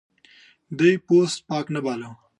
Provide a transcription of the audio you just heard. دی پوست پاک نه باله.